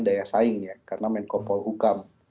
daya saing ya karena menkopol hukum